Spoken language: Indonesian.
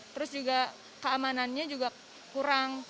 terus juga keamanannya juga kurang